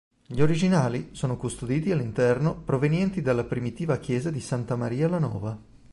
Gli originali sono custoditi all'interno provenienti dalla primitiva chiesa di Santa Maria la Nova.